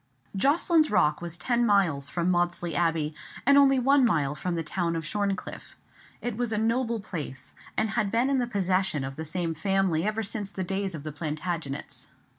Jocelyn's Rock was ten miles from Maudesley Abbey, and only one mile from the town of Shorncliffe. It was a noble place, and had been in the possession of the same family ever since the days of the Plantagenets.